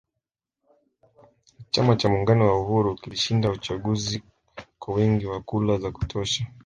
Chama cha muungano wa uhuru kilishinda uchaguzi kwa wingi wa kura za kutosha